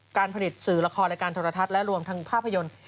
การผลิตสื่อละครรายการโทรทัศน์และรวมทั้งภาพยนตร์